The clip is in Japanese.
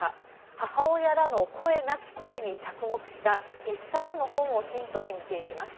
母親らの声なき声に着目した１冊の本をヒントに見ていきます。